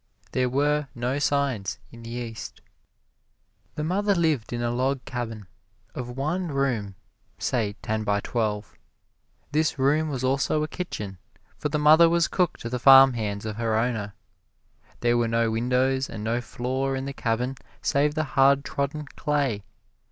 There were no signs in the East. The mother lived in a log cabin of one room, say ten by twelve. This room was also a kitchen, for the mother was cook to the farmhands of her owner. There were no windows and no floor in the cabin save the hard trodden clay.